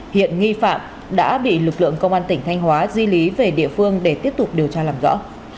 hiện nghi phạm đã bị lực lượng công an tỉnh thanh hóa di lý về địa phương để tiếp tục điều tra làm rõ